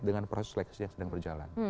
dengan proses seleksi yang sedang berjalan